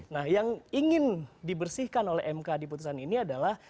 nah yang ingin dibersihkan oleh mk di putusan ini adalah